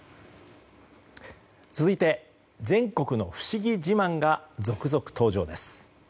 続いて、全国の不思議自慢が続々登場です。